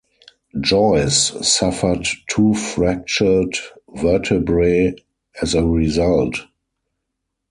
Joyce suffered two fractured vertebrae as a result.